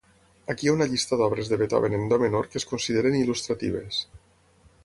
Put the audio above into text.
Aquí hi ha una llista d'obres de Beethoven en do menor que es consideren il·lustratives.